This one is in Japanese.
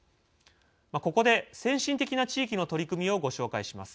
ここで先進的な地域の取り組みをご紹介します。